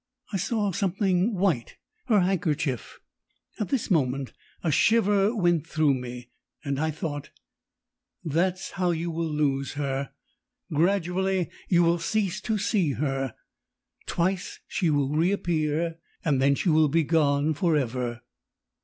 I saw something white her handkerchief. At this moment a shiver went through me, and I thought: that's how you will lose her; gradually you will cease to see her; twice she will re appear, and then she will be gone for ever!